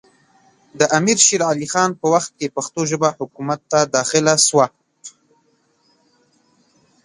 د امیر شېر علي خان په وخت کې پښتو ژبه حکومت ته داخله سوه